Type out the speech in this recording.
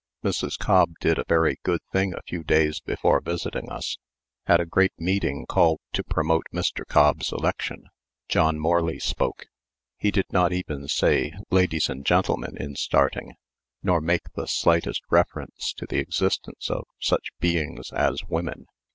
Mrs. Cobb did a very good thing a few days before visiting us. At a great meeting called to promote Mr. Cobb's election, John Morley spoke. He did not even say "Ladies and gentlemen" in starting, nor make the slightest reference to the existence of such beings as women.